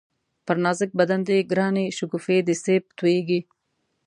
پر نازک بدن دی گرانی شگوفې د سېب تویېږی